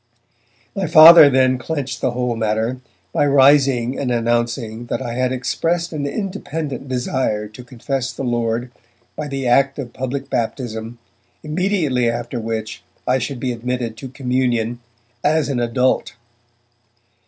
My Father then clenched the whole matter by rising and announcing that I had expressed an independent desire to confess the Lord by the act of public baptism, immediately after which I should be admitted to communion 'as an adult'.